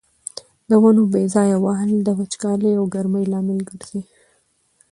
د ونو بې ځایه وهل د وچکالۍ او ګرمۍ لامل ګرځي.